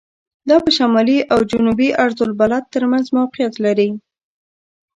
دا په شمالي او جنوبي عرض البلد تر منځ موقعیت لري.